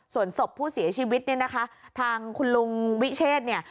ส่วนศพผู้เสียชีวิตเนี่ยนะคะทางคุณลุงวิเชษเนี่ย